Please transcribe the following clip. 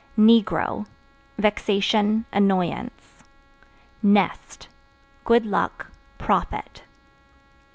Negro Vexation, annoyance. Nest Good luck, profit.